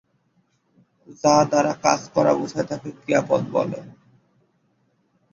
যা দ্বারা কাজ করা বুঝায় তাকে ক্রিয়াপদ বলে।